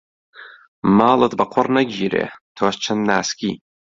ماڵت بە قوڕ نەگیرێ تۆش چەند ناسکی.